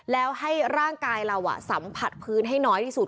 แล้วให้ร่างกายเราสัมผัสพื้นให้น้อยที่สุด